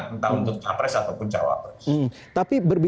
entah untuk capres ataupun cawapres